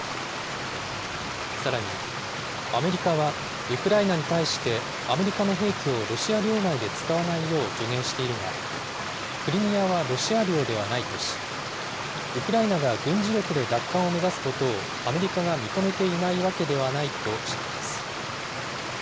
さらに、アメリカはウクライナに対して、アメリカの兵器をロシア領内で使わないよう助言しているが、クリミアはロシア領ではないとし、ウクライナが軍事力で奪還を目指すことをアメリカが認めていないわけではないとしています。